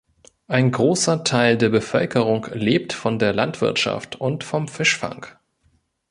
Ein großer Teil der Bevölkerung lebt von der Landwirtschaft und vom Fischfang.